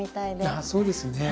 あっそうですね。